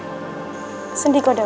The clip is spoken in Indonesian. jangan lupa kanzu ratu